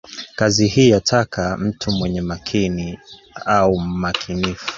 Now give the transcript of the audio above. Kazi hii yataka mtu mwenye makini/mmakinifu